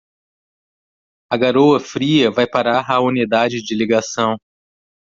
A garoa fria vai parar a unidade de ligação.